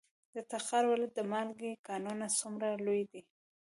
د تخار ولایت د مالګې کانونه څومره لوی دي؟